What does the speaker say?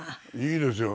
いいですよ。